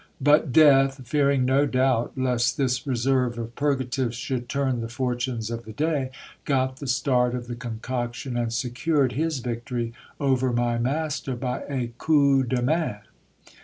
But death, fearing, no doubt, lest this reserve of purgatives should turn the fortunes of the day, got the start of the concoction, and secured his victory over my master by a coup de main.